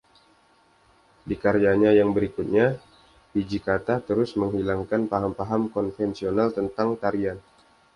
Di karyanya yang berikutnya, Hijikata terus menghilangkan paham-paham konvensional tentang tarian.